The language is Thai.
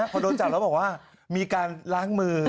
พอโดนจับแล้วบอกว่ามีการล้างมือ